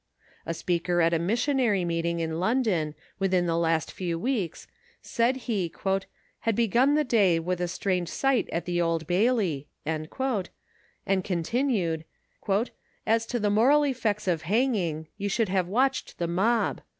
A speaker at a Missionary meeting in London within the last few weeks, said he *' had begun the day with a strange sight at the Old Bailey," and continued, *« as to the moral effects of hanging, you should have watched the mob.